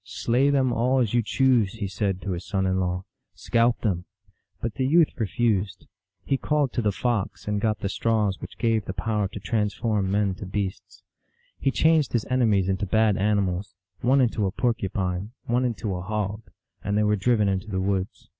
" Slay them all as you choose," he said to his son in law; " scalp them." But the youth refused. He called 232 THE ALGONQUIN LEGENDS. to the Fox, and got the straws which gave the power to transform men to beasts. He changed his enemies into bad animals, one into a porcupine, one into a hog, and they were driven into the woods.